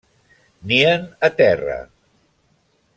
Nien a terra.